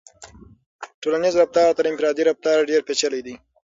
ټولنیز رفتار تر انفرادي رفتار ډېر پیچلی دی.